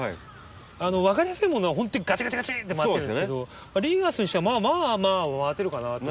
分かりやすいものはほんとにガチガチガチって回ってるんですけどリーガースにしてはまあまあ回ってるかなと。